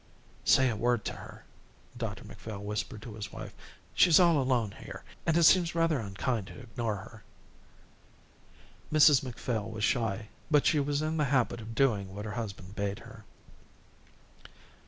"Say a word to her," Dr Macphail whispered to his wife. "She's all alone here, and it seems rather unkind to ignore her." Mrs Macphail was shy, but she was in the habit of doing what her husband bade her.